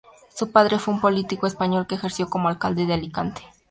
Su padre fue un político español que ejerció como Alcalde de Alicante.